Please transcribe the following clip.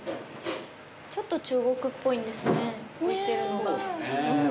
ちょっと中国っぽいんですね置いてるのが。